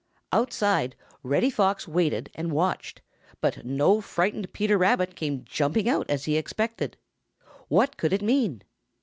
Outside, Reddy Fox waited and watched, but no frightened Peter Rabbit came jumping out as he expected. What could it mean?